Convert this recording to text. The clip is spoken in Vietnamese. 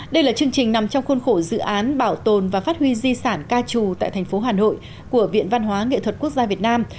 đây là chương trình nằm trong khuôn khổ dự án bảo tồn và phát huy di sản ca trù tại thành phố hà nội của viện văn hóa nghệ thuật quốc gia việt nam